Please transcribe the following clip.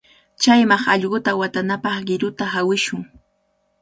Chayman allquta watanapaq qiruta hawishun.